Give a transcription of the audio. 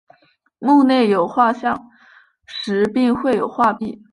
墓内有画像石并绘有壁画。